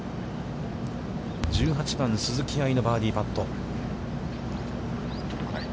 １８番、鈴木愛のバーディーパット。